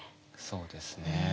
そうですね。